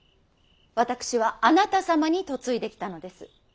私はあなた様に嫁いできたのです。